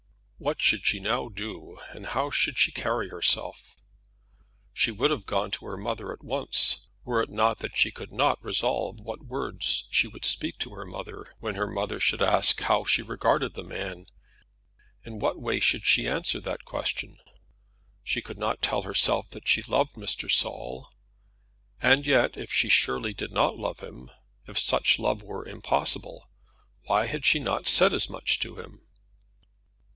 What should she now do, and how should she carry herself? She would have gone to her mother at once, were it not that she could not resolve what words she would speak to her mother. When her mother should ask her how she regarded the man, in what way should she answer that question? She could not tell herself that she loved Mr. Saul; and yet, if she surely did not love him, if such love were impossible, why had she not said as much to him?